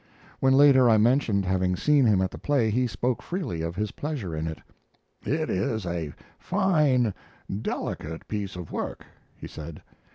When later I mentioned having seen him at the play, he spoke freely of his pleasure in it. "It is a fine, delicate piece of work," he said.